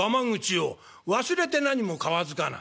「『忘れて何もかわずかな』」。